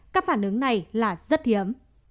các phản ứng này là rất hiếm